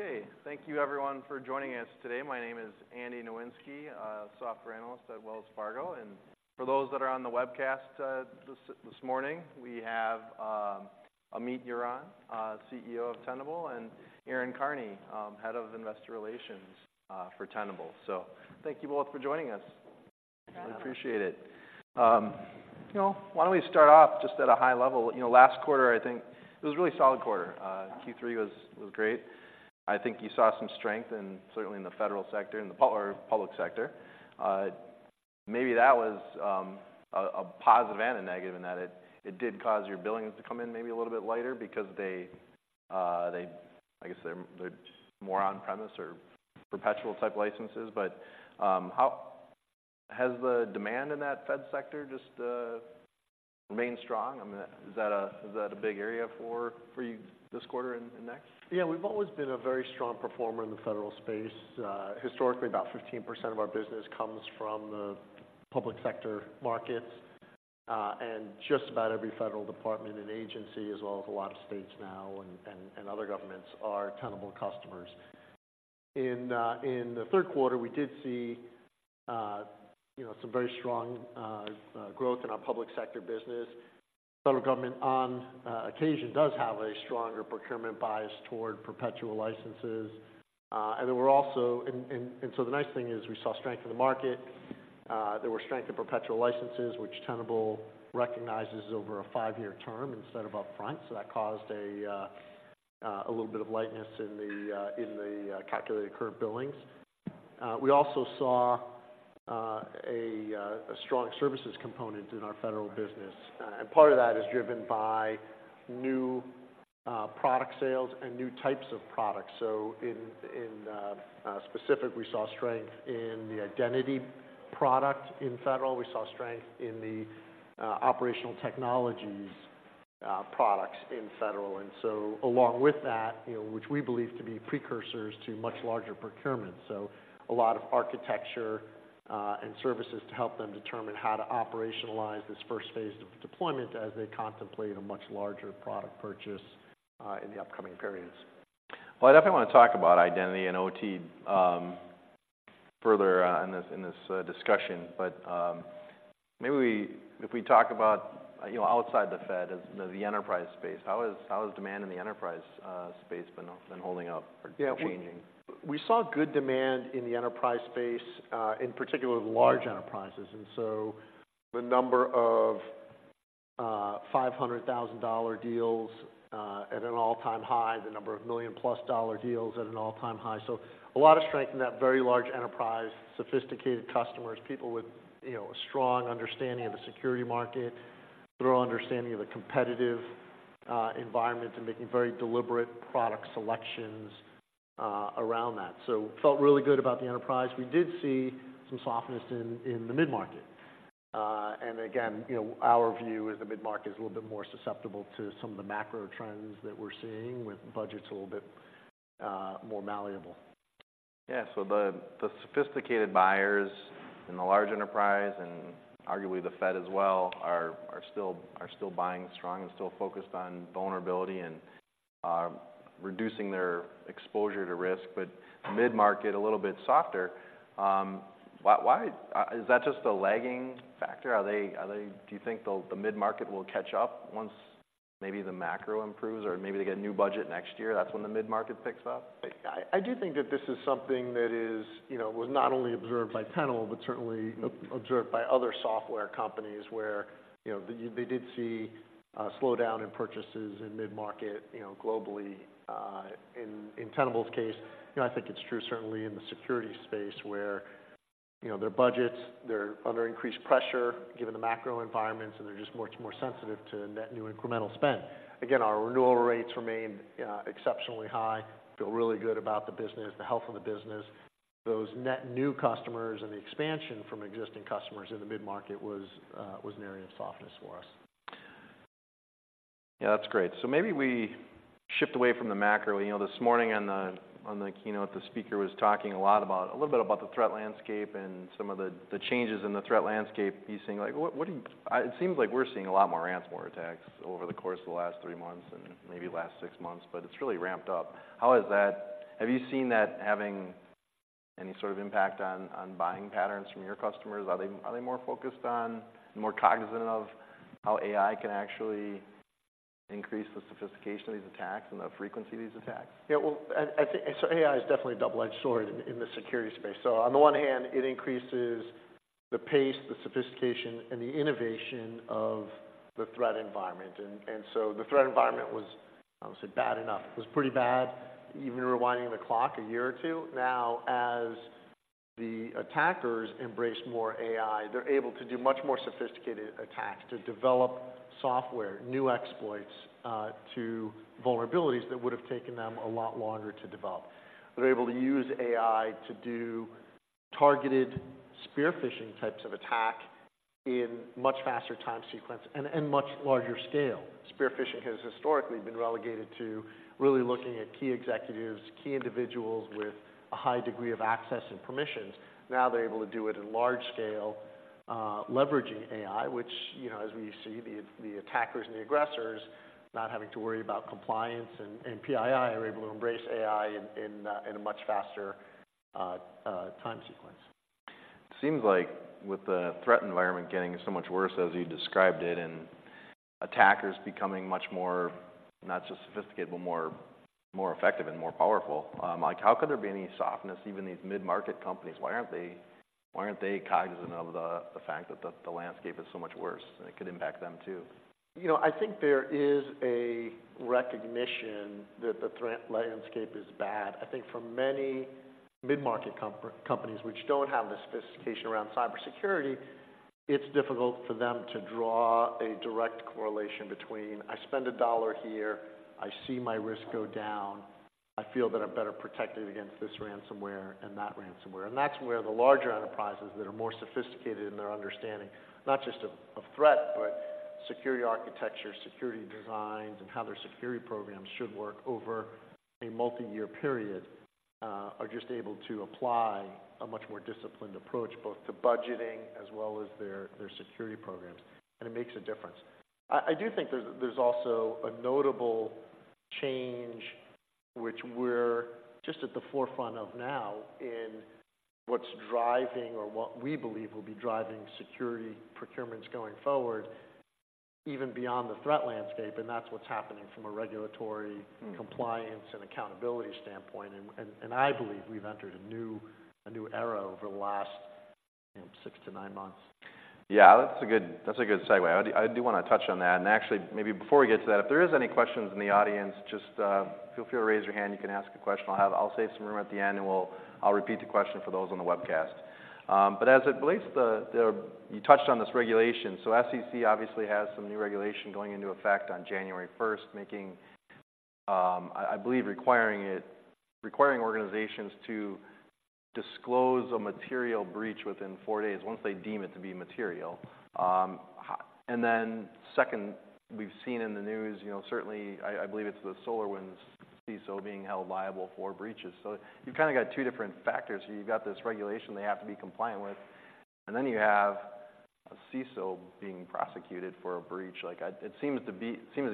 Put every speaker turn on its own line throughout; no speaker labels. Okay, thank you everyone for joining us today. My name is Andy Nowinski, a software analyst at Wells Fargo, and for those that are on the webcast, this morning, we have Amit Yoran, CEO of Tenable, and Erin Karney, Head of Investor Relations, for Tenable. So thank you both for joining us.
Thanks.
We appreciate it. You know, why don't we start off just at a high level. You know, last quarter, I think it was a really solid quarter. Q3 was great. I think you saw some strength in, certainly in the federal sector and the public sector. Maybe that was a positive and a negative in that it did cause your billings to come in maybe a little bit lighter because they, they... I guess they're more on-premise or perpetual type licenses. But, how has the demand in that fed sector just remained strong? I mean, is that a big area for you this quarter and next?
Yeah, we've always been a very strong performer in the federal space. Historically, about 15% of our business comes from the public sector markets, and just about every federal department and agency, as well as a lot of states now and other governments, are Tenable customers. In the third quarter, we did see, you know, some very strong growth in our public sector business. Federal government, on occasion, does have a stronger procurement bias toward perpetual licenses. And so the nice thing is we saw strength in the market. There were strength in perpetual licenses, which Tenable recognizes over a five-year term instead of up front, so that caused a little bit of lightness in the calculated current billings. We also saw a strong services component in our federal business, and part of that is driven by new product sales and new types of products. So in specific, we saw strength in the identity product in federal. We saw strength in the operational technologies products in federal. And so along with that, you know, which we believe to be precursors to much larger procurement, so a lot of architecture and services to help them determine how to operationalize this first phase of deployment as they contemplate a much larger product purchase in the upcoming periods.
Well, I definitely want to talk about identity and OT further in this discussion, but maybe if we talk about, you know, outside the Fed as the enterprise space, how has demand in the enterprise space been holding up or changing?
Yeah, we saw good demand in the enterprise space, in particular with large enterprises. And so the number of $500,000 deals at an all-time high, the number of $1 million plus deals at an all-time high. So a lot of strength in that very large enterprise, sophisticated customers, people with, you know, a strong understanding of the security market, thorough understanding of the competitive environment, and making very deliberate product selections around that. So felt really good about the enterprise. We did see some softness in the mid-market. And again, you know, our view is the mid-market is a little bit more susceptible to some of the macro trends that we're seeing, with budgets a little bit more malleable.
Yeah. So the sophisticated buyers in the large enterprise, and arguably the Fed as well, are still buying strong and still focused on vulnerability and reducing their exposure to risk, but mid-market, a little bit softer. Why? Is that just a lagging factor? Do you think the mid-market will catch up once maybe the macro improves, or maybe they get a new budget next year, that's when the mid-market picks up?
I do think that this is something that, you know, was not only observed by Tenable, but certainly observed by other software companies where, you know, they did see a slowdown in purchases in mid-market, you know, globally. In Tenable's case, you know, I think it's true certainly in the security space, where, you know, their budgets, they're under increased pressure, given the macro environments, and they're just much more sensitive to net new incremental spend. Again, our renewal rates remain exceptionally high. Feel really good about the business, the health of the business. Those net new customers and the expansion from existing customers in the mid-market was an area of softness for us.
Yeah, that's great. So maybe we shift away from the macro. You know, this morning on the, on the keynote, the speaker was talking a lot about... a little bit about the threat landscape and some of the, the changes in the threat landscape. He's saying, like, what, what do you... It seems like we're seeing a lot more ransomware attacks over the course of the last three months and maybe last six months, but it's really ramped up. How has that? Have you seen that having any sort of impact on, on buying patterns from your customers? Are they, are they more focused on, more cognizant of how AI can actually increase the sophistication of these attacks and the frequency of these attacks?
Yeah, well, I think. So AI is definitely a double-edged sword in the security space. So on the one hand, it increases the pace, the sophistication, and the innovation of the threat environment. And so the threat environment was, I would say, bad enough. It was pretty bad, even rewinding the clock a year or two. Now, as the attackers embrace more AI, they're able to do much more sophisticated attacks, to develop software, new exploits to vulnerabilities that would have taken them a lot longer to develop. They're able to use AI to do targeted spear phishing types of attack in much faster time sequence and much larger scale. Spear phishing has historically been relegated to really looking at key executives, key individuals with a high degree of access and permissions. Now they're able to do it in large scale, leveraging AI, which, you know, as we see, the attackers and the aggressors, not having to worry about compliance and PII, are able to embrace AI in a much faster time sequence....
it seems like with the threat environment getting so much worse, as you described it, and attackers becoming much more, not just sophisticated, but more, more effective and more powerful, like how could there be any softness, even these mid-market companies, why aren't they, why aren't they cognizant of the, the fact that the, the landscape is so much worse, and it could impact them, too?
You know, I think there is a recognition that the threat landscape is bad. I think for many mid-market companies which don't have the sophistication around cybersecurity, it's difficult for them to draw a direct correlation between, "I spend a dollar here, I see my risk go down. I feel that I'm better protected against this ransomware and that ransomware." And that's where the larger enterprises that are more sophisticated in their understanding, not just of, of threat, but security architecture, security designs, and how their security programs should work over a multi-year period, are just able to apply a much more disciplined approach, both to budgeting as well as their, their security programs, and it makes a difference. I do think there's also a notable change, which we're just at the forefront of now, in what's driving or what we believe will be driving security procurements going forward, even beyond the threat landscape, and that's what's happening from a regulatory-
Mm...
compliance and accountability standpoint. And I believe we've entered a new era over the last six to nine months.
Yeah, that's a good, that's a good segue. I do, I do wanna touch on that. And actually, maybe before we get to that, if there is any questions in the audience, just feel free to raise your hand. You can ask a question. I'll have- I'll save some room at the end, and we'll- I'll repeat the question for those on the webcast. But as it relates to the, the... You touched on this regulation. So SEC obviously has some new regulation going into effect on January first, making, I believe requiring it, requiring organizations to disclose a material breach within four days, once they deem it to be material. And then second, we've seen in the news, you know, certainly I believe it's the SolarWinds CISO being held liable for breaches. So you've kinda got two different factors. You've got this regulation they have to be compliant with, and then you have a CISO being prosecuted for a breach. Like, it seems to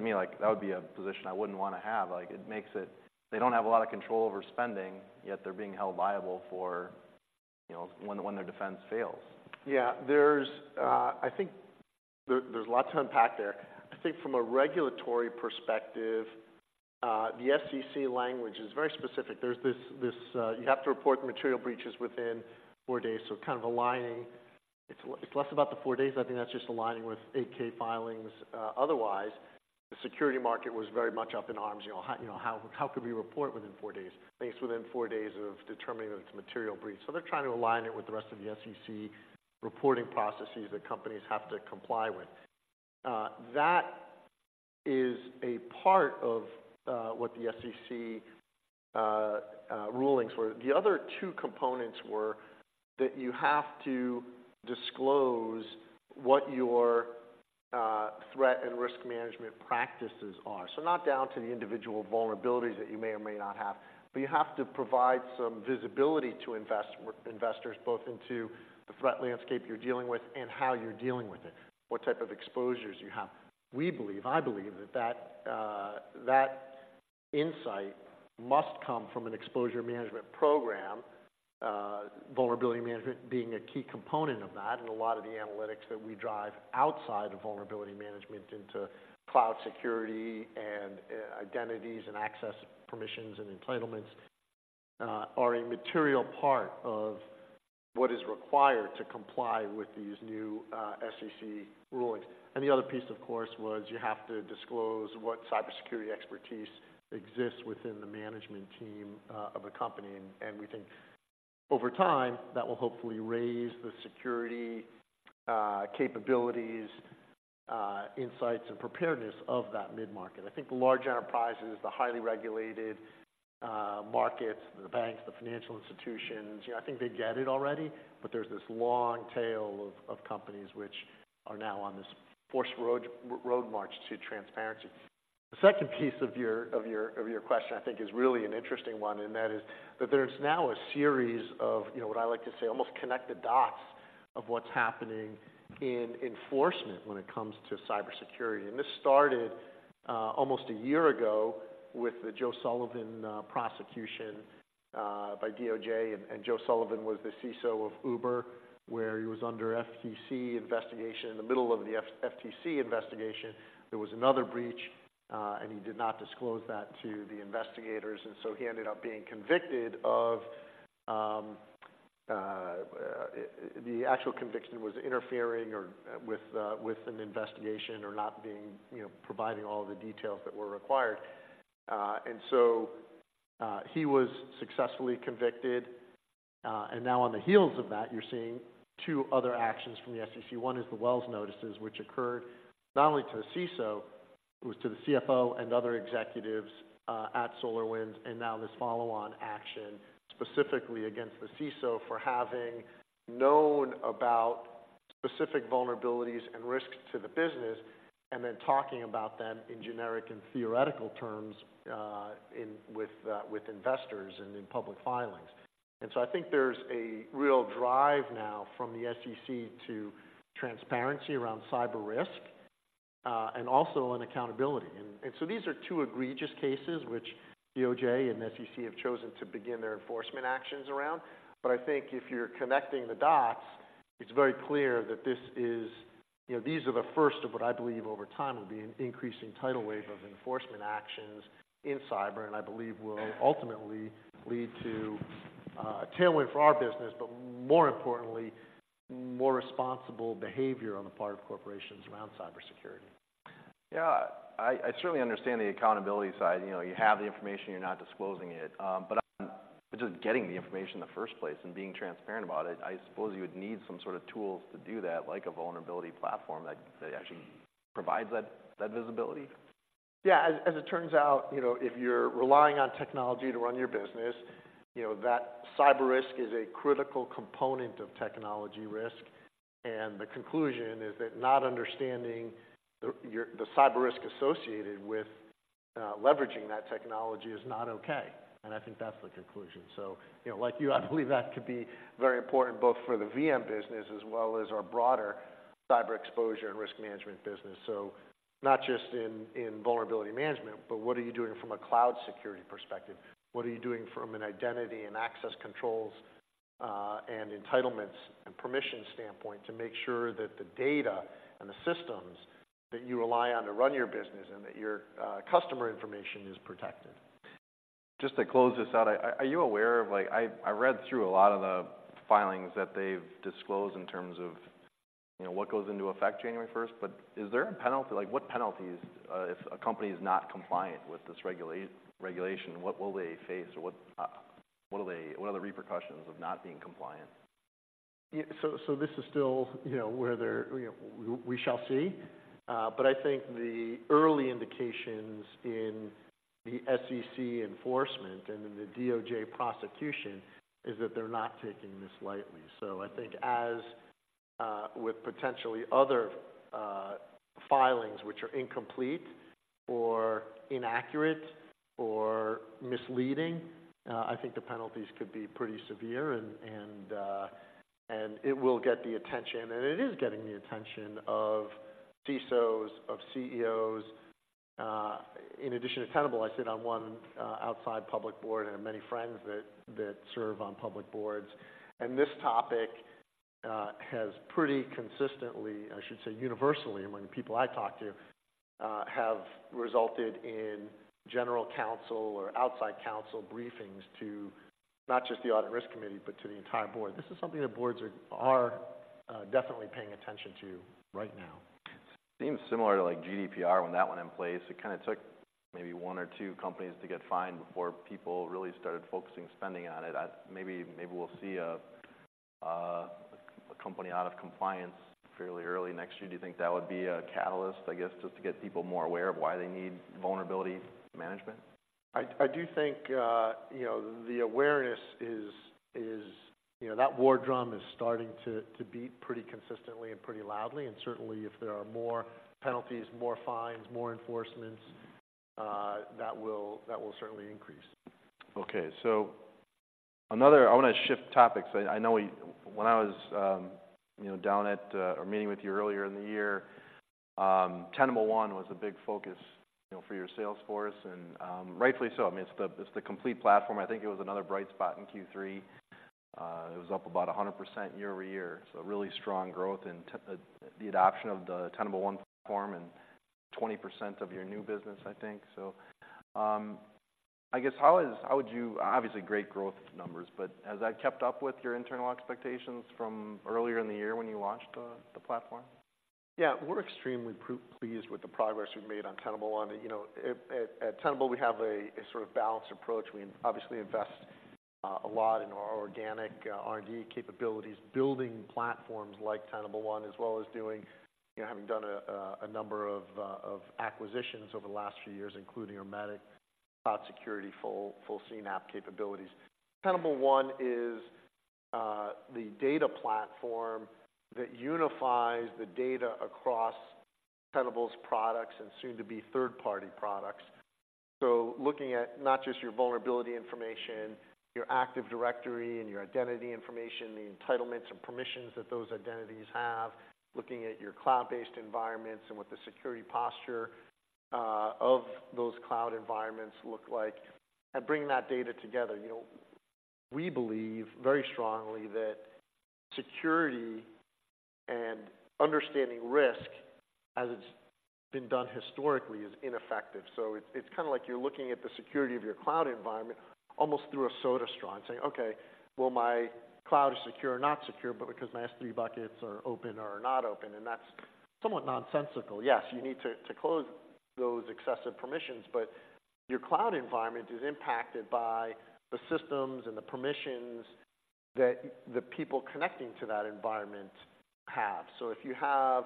me like that would be a position I wouldn't wanna have. Like, it makes it... They don't have a lot of control over spending, yet they're being held liable for, you know, when their defense fails.
Yeah. There's, I think there, there's a lot to unpack there. I think from a regulatory perspective, the SEC language is very specific. There's this, this, you have to report material breaches within four days, so kind of aligning... It's, it's less about the four days, I think that's just aligning with 8-K filings. Otherwise, the security market was very much up in arms. You know, how, you know, how, how could we report within four days? At least within four days of determining that it's a material breach. So they're trying to align it with the rest of the SEC reporting processes that companies have to comply with. That is a part of, what the SEC, rulings were. The other two components were that you have to disclose what your, threat and risk management practices are. So not down to the individual vulnerabilities that you may or may not have, but you have to provide some visibility to investors, both into the threat landscape you're dealing with and how you're dealing with it, what type of exposures you have. We believe, I believe, that insight must come from an exposure management program, vulnerability management being a key component of that. And a lot of the analytics that we drive outside of vulnerability management into cloud security and identities, and access permissions, and entitlements are a material part of what is required to comply with these new SEC rulings. And the other piece, of course, was you have to disclose what cybersecurity expertise exists within the management team of a company. We think over time, that will hopefully raise the security capabilities, insights, and preparedness of that mid-market. I think the large enterprises, the highly regulated markets, the banks, the financial institutions, you know, I think they get it already, but there's this long tail of companies which are now on this forced road march to transparency. The second piece of your question, I think is really an interesting one, and that is that there's now a series of, you know, what I like to say, almost connect-the-dots of what's happening in enforcement when it comes to cybersecurity. This started almost a year ago with the Joe Sullivan prosecution by DOJ. And Joe Sullivan was the CISO of Uber, where he was under FTC investigation. In the middle of the FTC investigation, there was another breach, and he did not disclose that to the investigators, and so he ended up being convicted of the actual conviction was interfering or with an investigation or not being, you know, providing all the details that were required. And so he was successfully convicted. And now on the heels of that, you're seeing two other actions from the SEC. One is the Wells notices, which occurred not only to the CISO, it was to the CFO and other executives at SolarWinds, and now this follow-on action specifically against the CISO for having known about specific vulnerabilities and risks to the business, and then talking about them in generic and theoretical terms in with investors and in public filings. And so I think there's a real drive now from the SEC to transparency around cyber risk, and also on accountability. And so these are two egregious cases which DOJ and SEC have chosen to begin their enforcement actions around. But I think if you're connecting the dots, it's very clear that this is, you know, these are the first of what I believe over time, will be an increasing tidal wave of enforcement actions in cyber, and I believe will ultimately lead to a tailwind for our business, but more importantly, more responsible behavior on the part of corporations around cybersecurity.
Yeah, I certainly understand the accountability side. You know, you have the information, you're not disclosing it. But just getting the information in the first place and being transparent about it, I suppose you would need some sort of tools to do that, like a vulnerability platform that actually provides that visibility.
Yeah, as it turns out, you know, if you're relying on technology to run your business, you know, that cyber risk is a critical component of technology risk. And the conclusion is that not understanding your cyber risk associated with leveraging that technology is not okay, and I think that's the conclusion. So, you know, like you, I believe that could be very important both for the VM business as well as our broader cyber exposure and risk management business. So not just in vulnerability management, but what are you doing from a cloud security perspective? What are you doing from an identity and access controls and entitlements and permission standpoint to make sure that the data and the systems that you rely on to run your business and that your customer information is protected?
Just to close this out, are you aware of like... I read through a lot of the filings that they've disclosed in terms of, you know, what goes into effect January first. But is there a penalty? Like, what penalties if a company is not compliant with this regulation, what will they face? Or what are the repercussions of not being compliant?
Yeah, this is still, you know, where they're, you know, we shall see. But I think the early indications in the SEC enforcement and in the DOJ prosecution is that they're not taking this lightly. So I think as with potentially other filings which are incomplete or inaccurate or misleading, I think the penalties could be pretty severe and, and, and it will get the attention, and it is getting the attention of CISOs, of CEOs. In addition to Tenable, I sit on one outside public board, and I have many friends that serve on public boards, and this topic has pretty consistently, I should say, universally, among the people I talk to, have resulted in general counsel or outside counsel briefings to not just the Audit Risk Committee, but to the entire board. This is something that boards are definitely paying attention to right now.
Seems similar to, like, GDPR when that went in place. It kind of took maybe one or two companies to get fined before people really started focusing spending on it. Maybe, maybe we'll see a, a company out of compliance fairly early next year. Do you think that would be a catalyst, I guess, just to get people more aware of why they need vulnerability management?
I do think, you know, the awareness is. You know, that war drum is starting to beat pretty consistently and pretty loudly, and certainly if there are more penalties, more fines, more enforcements, that will certainly increase.
Okay, so another. I want to shift topics. I know we when I was, you know, down at, or meeting with you earlier in the year, Tenable One was a big focus, you know, for your sales force, and, rightfully so. I mean, it's the complete platform. I think it was another bright spot in Q3. It was up about 100% year-over-year, so really strong growth in the adoption of the Tenable One platform and 20% of your new business, I think. So, I guess, how is. How would you... Obviously, great growth numbers, but has that kept up with your internal expectations from earlier in the year when you launched, the platform?
Yeah, we're extremely pleased with the progress we've made on Tenable One. You know, at Tenable, we have a sort of balanced approach. We obviously invest a lot in our organic R&D capabilities, building platforms like Tenable One, as well as doing, you know, having done a number of acquisitions over the last few years, including our Ermetic cloud security, full CNAPP capabilities. Tenable One is the data platform that unifies the data across Tenable's products and soon-to-be third-party products. So looking at not just your vulnerability information, your Active Directory and your identity information, the entitlements and permissions that those identities have, looking at your cloud-based environments and what the security posture of those cloud environments look like, and bringing that data together. You know, we believe very strongly that security and understanding risk as it's been done historically, is ineffective. So it's kind of like you're looking at the security of your cloud environment almost through a soda straw and saying, "Okay, well, my cloud is secure or not secure, but because my S3 buckets are open or not open," and that's somewhat nonsensical. Yes, you need to close those excessive permissions, but your cloud environment is impacted by the systems and the permissions that the people connecting to that environment have. So if you have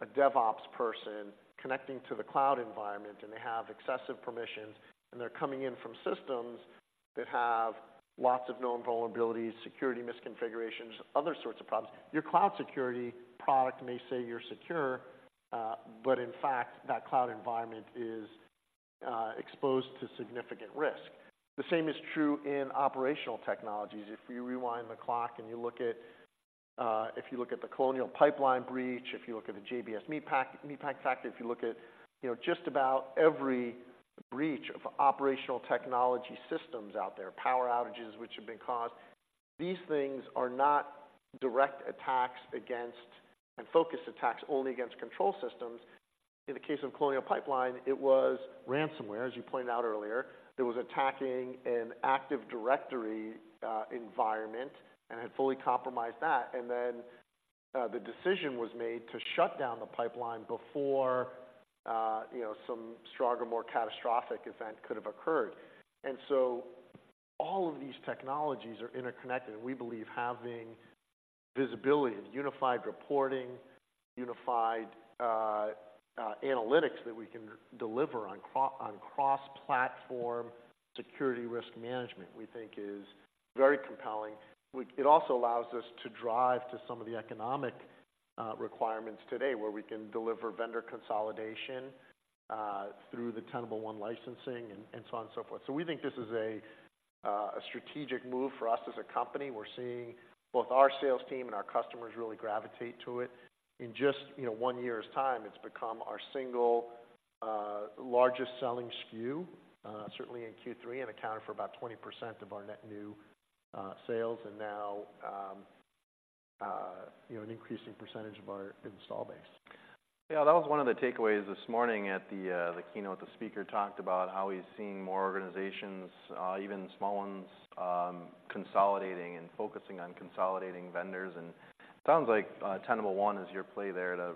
a DevOps person connecting to the cloud environment and they have excessive permissions, and they're coming in from systems that have lots of known vulnerabilities, security misconfigurations, other sorts of problems, your cloud security product may say you're secure, but in fact, that cloud environment is exposed to significant risk. The same is true in operational technologies. If you rewind the clock and you look at the Colonial Pipeline breach, if you look at the JBS meatpacking factory, if you look at, you know, just about every breach of operational technology systems out there, power outages which have been caused, these things are not direct attacks against, and focused attacks only against control systems. In the case of Colonial Pipeline, it was ransomware, as you pointed out earlier. It was attacking an Active Directory environment and had fully compromised that, and then the decision was made to shut down the pipeline before, you know, some stronger, more catastrophic event could have occurred. And so all of these technologies are interconnected, and we believe having visibility and unified reporting, unified analytics that we can deliver on cross-platform security risk management, we think is very compelling. It also allows us to drive to some of the economic requirements today, where we can deliver vendor consolidation through the Tenable One licensing and so on and so forth. So we think this is a strategic move for us as a company. We're seeing both our sales team and our customers really gravitate to it. In just, you know, one year's time, it's become our single largest-selling SKU, certainly in Q3, and accounted for about 20% of our net new sales, and now, you know, an increasing percentage of our install base.
Yeah, that was one of the takeaways this morning at the keynote. The speaker talked about how he's seeing more organizations, even small ones, consolidating and focusing on consolidating vendors. And it sounds like Tenable One is your play there to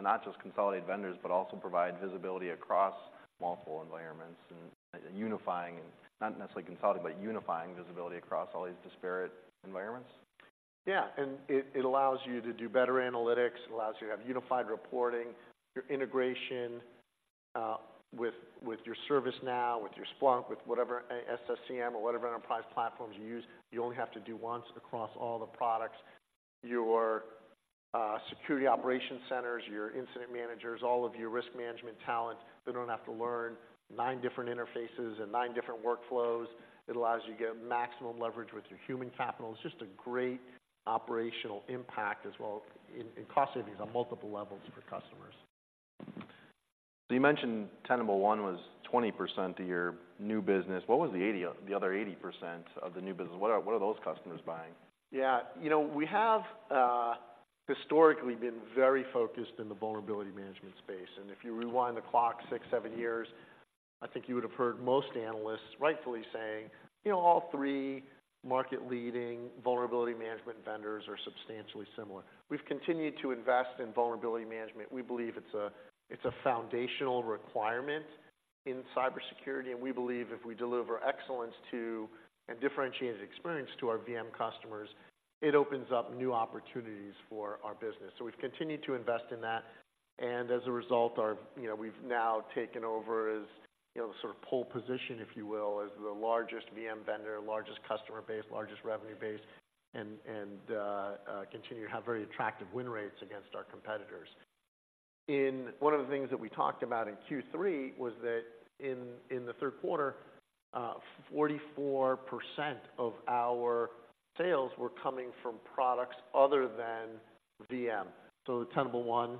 not just consolidate vendors, but also provide visibility across multiple environments and unifying and not necessarily consolidating, but unifying visibility across all these disparate environments?
Yeah, and it, it allows you to do better analytics. It allows you to have unified reporting. Your integration, with, with your ServiceNow, with your Splunk, with whatever SCCM or whatever enterprise platforms you use, you only have to do once across all the products. Your, security operation centers, your incident managers, all of your risk management talent, they don't have to learn nine different interfaces and nine different workflows. It allows you to get maximum leverage with your human capital. It's just a great operational impact as well in, in cost savings on multiple levels for customers.
So you mentioned Tenable One was 20% of your new business. What was the 80, the other 80% of the new business? What are those customers buying?
Yeah. You know, we have historically been very focused in the vulnerability management space, and if you rewind the clock six, seven years, I think you would have heard most analysts rightfully saying, "You know, all three market-leading vulnerability management vendors are substantially similar." We've continued to invest in vulnerability management. We believe it's a foundational requirement in cybersecurity, and we believe if we deliver excellence to, and differentiated experience to our VM customers, it opens up new opportunities for our business. So we've continued to invest in that, and as a result, our... You know, we've now taken over as, you know, the sort of pole position, if you will, as the largest VM vendor, largest customer base, largest revenue base, and continue to have very attractive win rates against our competitors. One of the things that we talked about in Q3 was that in the third quarter, 44% of our sales were coming from products other than VM. So Tenable One,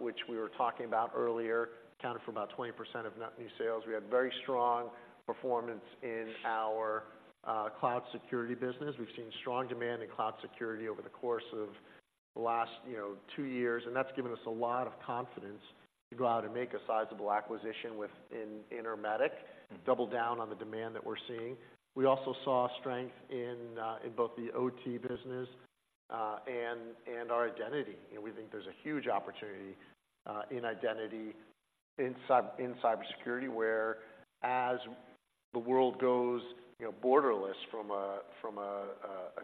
which we were talking about earlier, accounted for about 20% of net new sales. We had very strong performance in our cloud security business. We've seen strong demand in cloud security over the course of the last, you know, two years, and that's given us a lot of confidence to go out and make a sizable acquisition with Ermetic, double down on the demand that we're seeing. We also saw strength in both the OT business and our identity, and we think there's a huge opportunity in identity in cybersecurity, where as the world goes, you know, borderless from a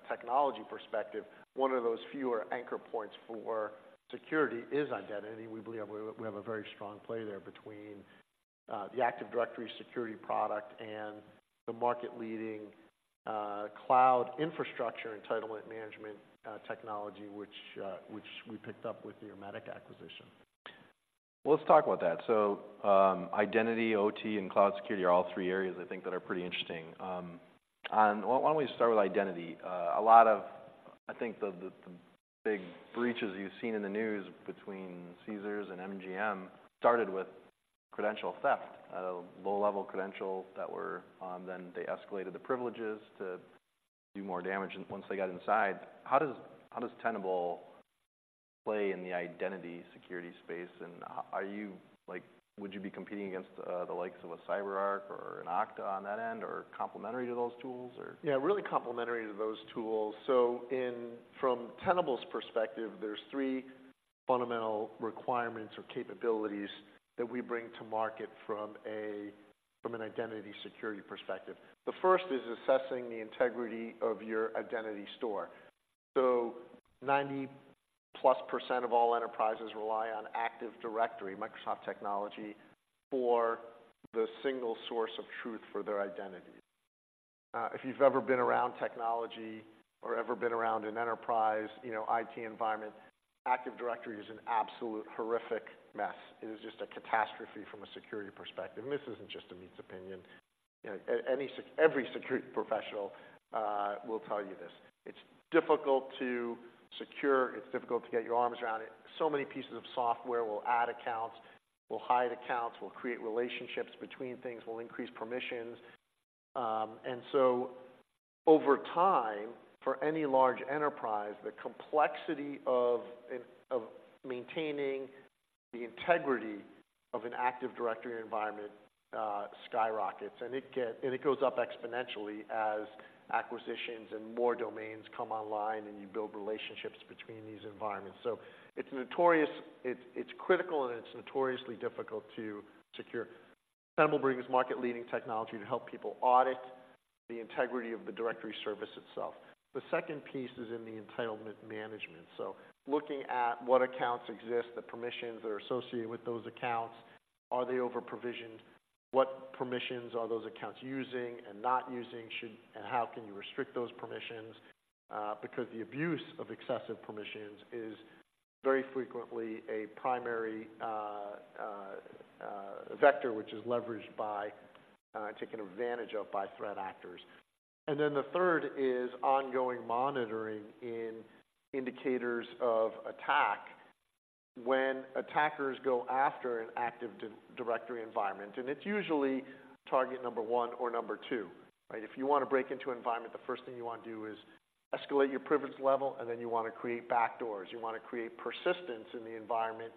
technology perspective, one of those fewer anchor points for security is identity. We believe we have a very strong play there between the Active Directory security product and the market-leading cloud infrastructure entitlement management technology, which we picked up with the Ermetic acquisition.
Well, let's talk about that. So, identity, OT, and cloud security are all three areas I think that are pretty interesting. And why don't we start with identity? A lot of, I think, the big breaches you've seen in the news between Caesars and MGM started with credential theft, low-level credentials that were... Then they escalated the privileges to do more damage once they got inside. How does Tenable play in the identity security space, and are you like, would you be competing against the likes of a CyberArk or an Okta on that end, or complementary to those tools, or?
Yeah, really complementary to those tools. So from Tenable's perspective, there's three fundamental requirements or capabilities that we bring to market from a, from an identity security perspective. The first is assessing the integrity of your identity store. So 90%+ of all enterprises rely on Active Directory, Microsoft technology, for the single source of truth for their identities. If you've ever been around technology or ever been around an enterprise, you know, IT environment, Active Directory is an absolute horrific mess. It is just a catastrophe from a security perspective, and this isn't just Amit's opinion... you know, every security professional will tell you this: It's difficult to secure, it's difficult to get your arms around it. So many pieces of software will add accounts, will hide accounts, will create relationships between things, will increase permissions. And so over time, for any large enterprise, the complexity of maintaining the integrity of an Active Directory environment skyrockets, and it goes up exponentially as acquisitions and more domains come online, and you build relationships between these environments. So it's notorious. It's critical, and it's notoriously difficult to secure. Tenable brings market-leading technology to help people audit the integrity of the directory service itself. The second piece is in the entitlement management, so looking at what accounts exist, the permissions that are associated with those accounts, are they over-provisioned? What permissions are those accounts using and not using, should and how can you restrict those permissions? Because the abuse of excessive permissions is very frequently a primary vector, which is leveraged by, taken advantage of by threat actors. And then the third is ongoing monitoring in indicators of attack when attackers go after an Active Directory environment, and it's usually target number one or number two, right? If you want to break into an environment, the first thing you want to do is escalate your privilege level, and then you want to create backdoors. You want to create persistence in the environment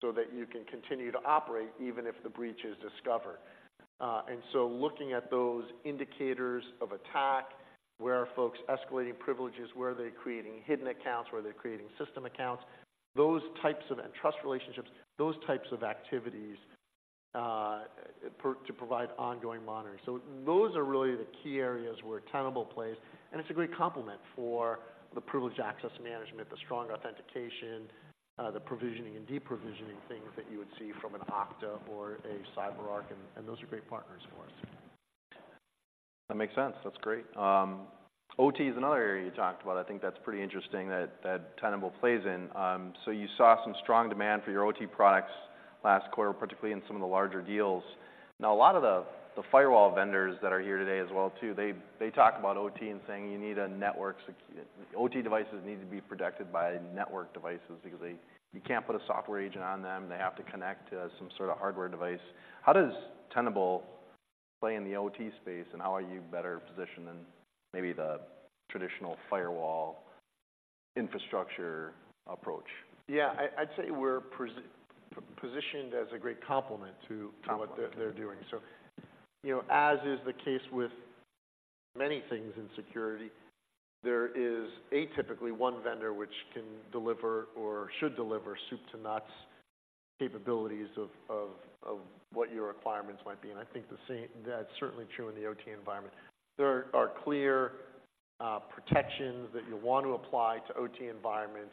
so that you can continue to operate even if the breach is discovered. So looking at those indicators of attack, where are folks escalating privileges? Where are they creating hidden accounts? Where are they creating system accounts? Those types of... and trust relationships, those types of activities to provide ongoing monitoring. So those are really the key areas where Tenable plays, and it's a great complement for the privileged access management, the strong authentication, the provisioning and deprovisioning things that you would see from an Okta or a CyberArk, and, and those are great partners for us.
That makes sense. That's great. OT is another area you talked about. I think that's pretty interesting, that Tenable plays in. So you saw some strong demand for your OT products last quarter, particularly in some of the larger deals. Now, a lot of the firewall vendors that are here today as well, too, they talk about OT and saying you need a network sec- OT devices need to be protected by network devices because you can't put a software agent on them. They have to connect to some sort of hardware device. How does Tenable play in the OT space, and how are you better positioned than maybe the traditional firewall infrastructure approach?
Yeah, I, I'd say we're positioned as a great complement to-
Complement...
what they're doing. So, you know, as is the case with many things in security, there is atypically one vendor which can deliver or should deliver soup to nuts capabilities of what your requirements might be, and I think the same, that's certainly true in the OT environment. There are clear protections that you'll want to apply to OT environments.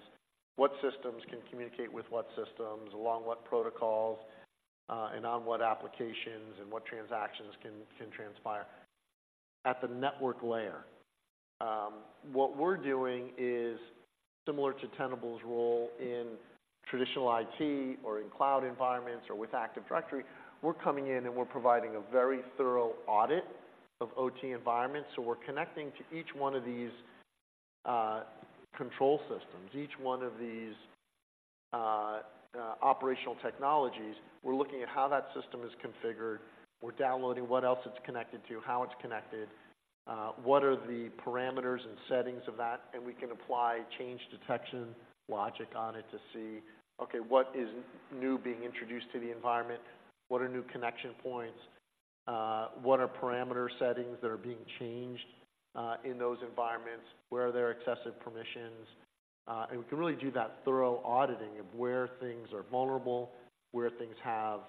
What systems can communicate with what systems, along what protocols, and on what applications, and what transactions can transpire at the network layer? What we're doing is similar to Tenable's role in traditional IT or in cloud environments or with Active Directory. We're coming in, and we're providing a very thorough audit of OT environments, so we're connecting to each one of these control systems, each one of these operational technologies. We're looking at how that system is configured. We're downloading what else it's connected to, how it's connected, what are the parameters and settings of that, and we can apply change detection logic on it to see, okay, what is new being introduced to the environment? What are new connection points? What are parameter settings that are being changed in those environments? Where are there excessive permissions? And we can really do that thorough auditing of where things are vulnerable, where things have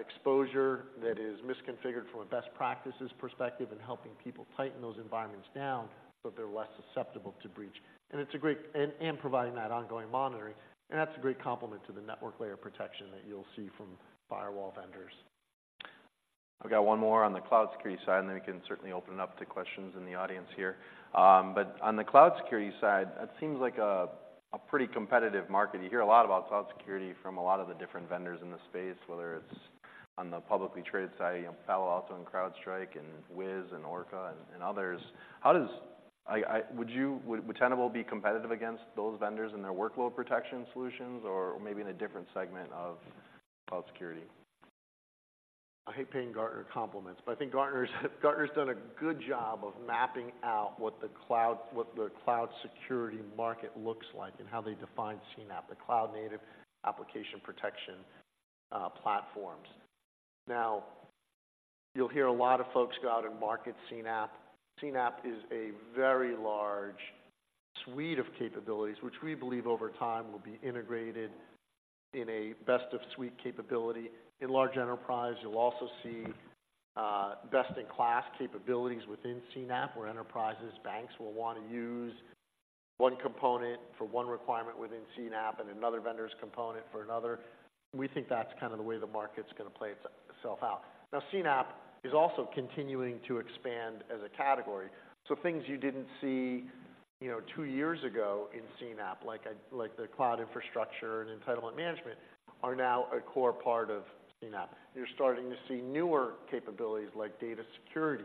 exposure that is misconfigured from a best practices perspective, and helping people tighten those environments down so they're less susceptible to breach. And it's a great... and, and providing that ongoing monitoring, and that's a great complement to the network layer protection that you'll see from firewall vendors.
I've got one more on the cloud security side, and then we can certainly open it up to questions in the audience here. But on the cloud security side, that seems like a pretty competitive market. You hear a lot about cloud security from a lot of the different vendors in the space, whether it's on the publicly traded side, you know, Palo Alto and CrowdStrike and Wiz and Orca and others. How would Tenable be competitive against those vendors and their workload protection solutions, or maybe in a different segment of cloud security?
I hate paying Gartner compliments, but I think Gartner's done a good job of mapping out what the cloud security market looks like and how they define CNAPP, the cloud-native application protection platforms. Now, you'll hear a lot of folks go out and market CNAPP. CNAPP is a very large suite of capabilities, which we believe over time will be integrated in a best of suite capability. In large enterprise, you'll also see best-in-class capabilities within CNAPP, where enterprises, banks will want to use one component for one requirement within CNAPP and another vendor's component for another. We think that's kind of the way the market's gonna play itself out. Now, CNAPP is also continuing to expand as a category, so things you didn't see-... You know, two years ago in CNAPP, like, the cloud infrastructure and entitlement management are now a core part of CNAPP. You're starting to see newer capabilities, like data security,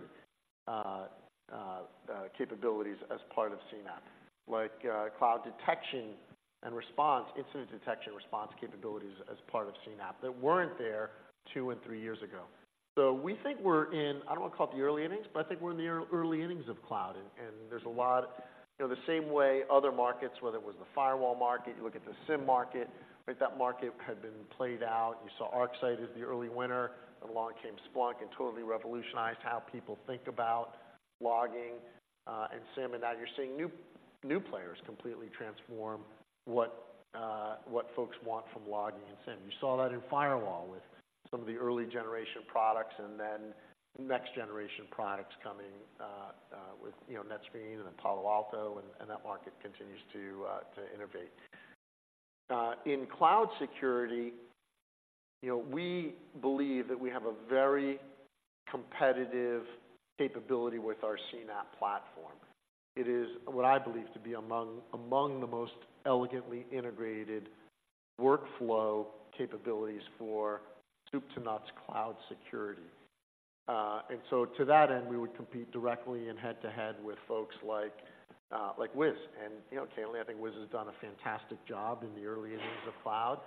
capabilities as part of CNAPP, like, cloud detection and response, incident detection and response capabilities as part of CNAPP, that weren't there two and three years ago. So we think we're in, I don't want to call it the early innings, but I think we're in the early innings of cloud, and there's a lot. You know, the same way other markets, whether it was the firewall market, you look at the SIEM market, right? That market had been played out. You saw ArcSight as the early winner, and along came Splunk and totally revolutionized how people think about logging and SIEM, and now you're seeing new players completely transform what folks want from logging and SIEM. You saw that in firewall with some of the early generation products, and then next generation products coming with, you know, NetScreen and then Palo Alto, and that market continues to innovate. In cloud security, you know, we believe that we have a very competitive capability with our CNAPP platform. It is what I believe to be among the most elegantly integrated workflow capabilities for soup to nuts cloud security. And so to that end, we would compete directly and head-to-head with folks like Wiz. You know, candidly, I think Wiz has done a fantastic job in the early innings of cloud,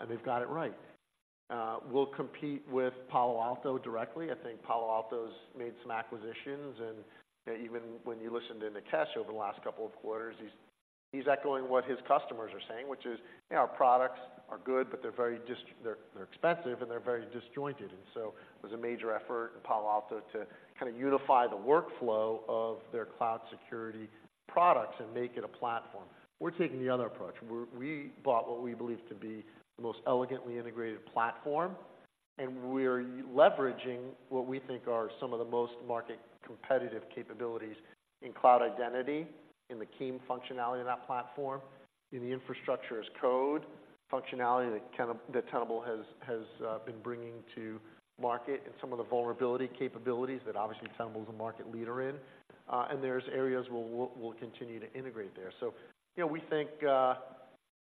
and they've got it right. We'll compete with Palo Alto directly. I think Palo Alto's made some acquisitions, and even when you listened to Nikesh over the last couple of quarters, he's, he's echoing what his customers are saying, which is, "You know, our products are good, but they're very dis- they're, they're expensive, and they're very disjointed." And so it was a major effort in Palo Alto to kind of unify the workflow of their cloud security products and make it a platform. We're taking the other approach. We're we bought what we believe to be the most elegantly integrated platform, and we're leveraging what we think are some of the most market competitive capabilities in cloud identity, in the key functionality of that platform, in the infrastructure as code functionality that Tenable has been bringing to market, and some of the vulnerability capabilities that obviously Tenable is a market leader in. And there's areas where we'll continue to integrate there. So you know, we think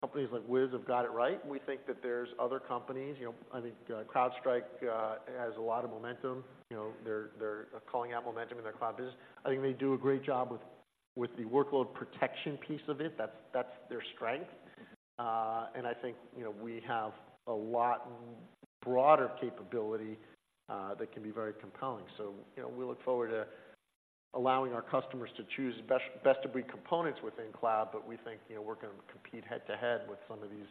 companies like Wiz have got it right. We think that there's other companies, you know, I think CrowdStrike has a lot of momentum. You know, they're calling out momentum in their cloud business. I think they do a great job with the workload protection piece of it. That's their strength. I think, you know, we have a lot broader capability that can be very compelling. So, you know, we look forward to allowing our customers to choose the best, best-of-breed components within cloud, but we think, you know, we're going to compete head-to-head with some of these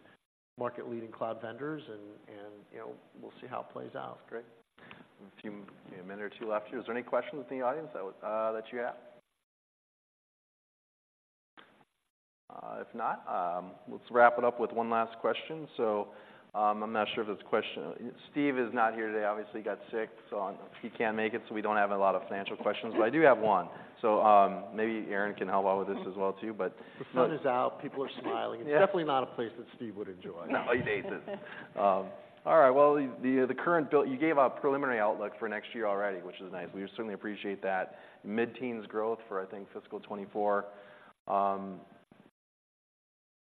market-leading cloud vendors and, you know, we'll see how it plays out.
Great. A few, a minute or two left here. Is there any questions in the audience that, that you have? If not, let's wrap it up with one last question. So, I'm not sure if it's a question. Steve is not here today. Obviously, he got sick, so, he can't make it, so we don't have a lot of financial questions, but I do have one. So, maybe Erin can help out with this as well, too, but-
The sun is out, people are smiling.
Yeah.
It's definitely not a place that Steve would enjoy.
No, he hates it. All right, well, the current billings you gave out preliminary outlook for next year already, which is nice. We certainly appreciate that. Mid-teens growth for, I think, fiscal 2024,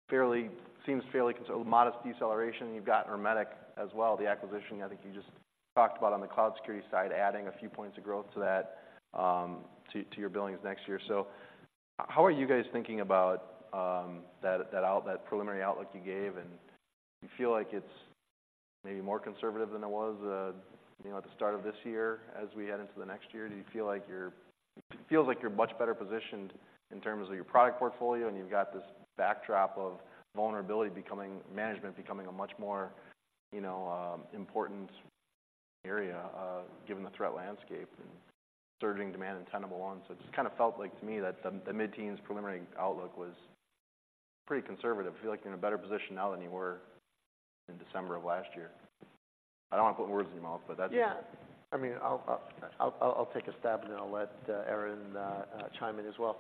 fairly seems fairly modest deceleration. You've got Ermetic as well, the acquisition, I think you just talked about on the cloud security side, adding a few points of growth to that, to your billings next year. So how are you guys thinking about that preliminary outlook you gave, and do you feel like it's maybe more conservative than it was, you know, at the start of this year as we head into the next year? Do you feel like it feels like you're much better positioned in terms of your product portfolio, and you've got this backdrop of vulnerability management becoming a much more, you know, important area, given the threat landscape and surging demand in Tenable One. So it's kind of felt like to me that the mid-teens preliminary outlook was pretty conservative. I feel like you're in a better position now than you were in December of last year. I don't want to put words in your mouth, but that's-
Yeah.
I mean, I'll take a stab, and then I'll let Erin chime in as well.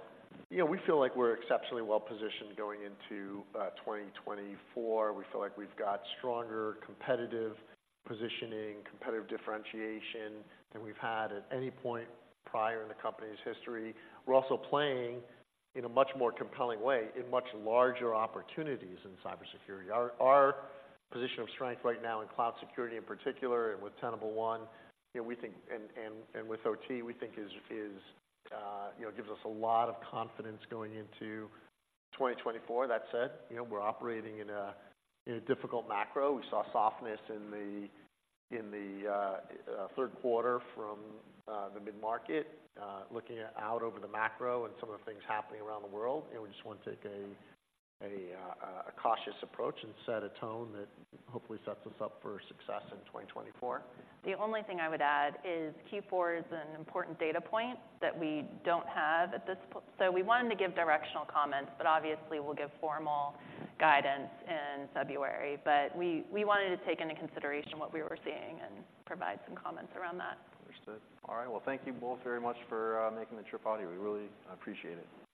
You know, we feel like we're exceptionally well-positioned going into 2024. We feel like we've got stronger competitive positioning, competitive differentiation than we've had at any point prior in the company's history. We're also playing in a much more compelling way in much larger opportunities in cybersecurity. Our position of strength right now in cloud security, in particular, and with Tenable One, you know, we think... And with OT, we think gives us a lot of confidence going into 2024. That said, you know, we're operating in a difficult macro. We saw softness in the third quarter from the mid-market. Looking out over the macro and some of the things happening around the world, you know, we just want to take a cautious approach and set a tone that hopefully sets us up for success in 2024.
The only thing I would add is Q4 is an important data point that we don't have at this point, so we wanted to give directional comments, but obviously, we'll give formal guidance in February. But we wanted to take into consideration what we were seeing and provide some comments around that.
Understood. All right. Well, thank you both very much for making the trip out here. We really appreciate it.